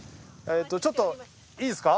ちょっといいですか？